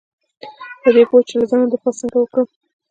په دې پوه شه چې له ځانه دفاع څنګه وکړم .